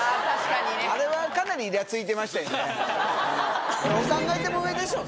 あれはかなりイラついてましたよね。